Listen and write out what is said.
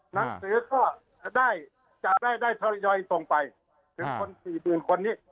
หนังสือก็ได้จับได้ได้ทยอยส่งไปถึงคนสี่หมื่นคนนี้